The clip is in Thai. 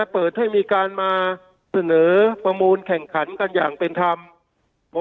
เปิดให้มีการมาเสนอประมูลแข่งขันกันอย่างเป็นธรรม